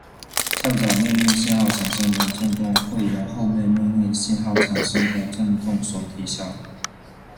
较早命令信号产生的振动会由后面命令信号产生的振动所抵消。